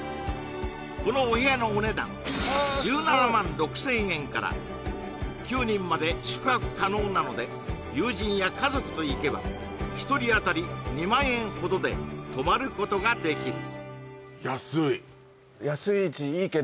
このお部屋のお値段９人まで宿泊可能なので友人や家族と行けば１人あたり２万円ほどで泊まることができる